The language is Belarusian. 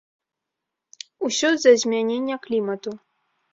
Усё з-за змянення клімату.